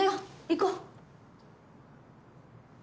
行こう！